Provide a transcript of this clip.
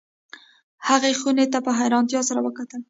هغې خونې ته په حیرانتیا سره وکتل